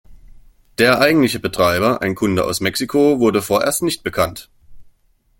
Der eigentliche Betreiber, ein Kunde aus Mexiko, wurde vorerst nicht bekannt.